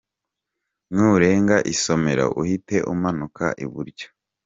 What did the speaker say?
Nurenga isomero uhite umanuka iburyo.